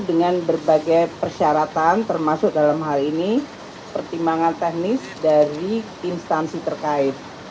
dengan berbagai persyaratan termasuk dalam hal ini pertimbangan teknis dari instansi terkait